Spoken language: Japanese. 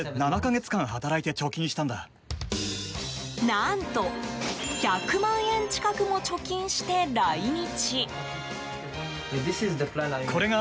何と、１００万円近くも貯金して来日。